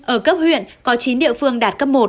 ở cấp huyện có chín địa phương đạt cấp một